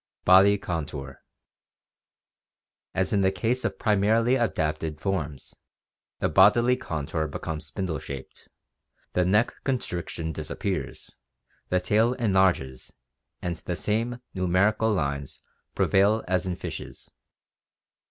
Body Contour. — As in the case of primarily adapted forms, the bodily contour becomes spindle shaped, the neck constriction dis appears, the tail enlarges, and the same "numerical lines" prevail as in fishes.